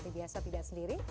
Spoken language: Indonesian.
biasa tidak sendiri